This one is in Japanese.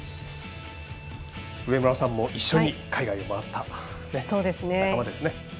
上村さんも一緒に海外を回った仲間ですね。